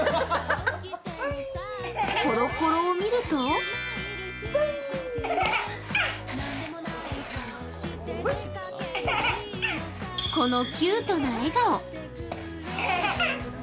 コロコロを見るとこのキュートな笑顔。